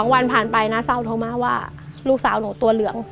วันผ่านไปน้าเศร้าโทรมาว่าลูกสาวหนูตัวเหลือง